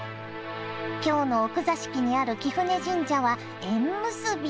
京の奥座敷にある貴船神社は縁結び。